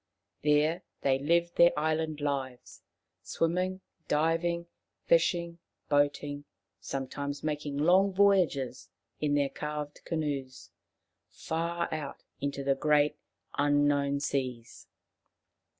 There they lived their island lives, swimming, diving, fishing, boating ; sometimes making long voyages in their carved canoes far out into the great unknown seas.